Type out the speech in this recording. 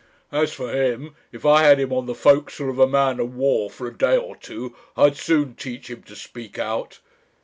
As for him, if I had him on the forecastle of a man of war for a day or two, I'd soon teach him to speak out.'